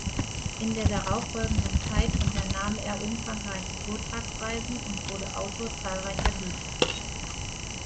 In der darauffolgenden Zeit unternahm er umfangreiche Vortragsreisen und wurde Autor zahlreicher Bücher.